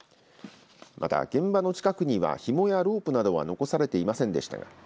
また、現場の近くにはひもやロープなどは残されていませんでした。